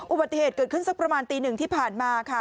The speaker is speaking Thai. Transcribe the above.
อุบัติเหตุเกิดขึ้นสักประมาณตีหนึ่งที่ผ่านมาค่ะ